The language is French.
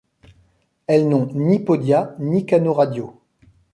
Elles n'ont ni podia ni canaux radiaux.